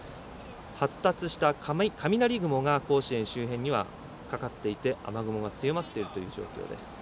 発達した雷雲が甲子園周辺にはかかっていて雨雲が強まっているという状況です。